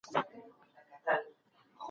آیا په ادب کې د ستورو یادونه کیږي؟